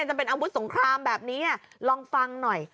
จะเป็นอาวุธสงครามแบบนี้ลองฟังหน่อย